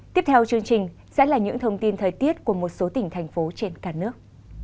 tiếp theo chương trình sẽ là những thông tin thời tiết của một số tỉnh thành phố trên cả nước